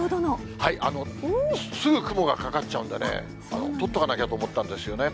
すぐ雲がかかっちゃうんでね、撮っとかなきゃと思ったんですよね。